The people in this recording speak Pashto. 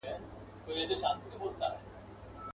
زما خواږه خواږه عطرونه ولي نه حسوې جانه؟.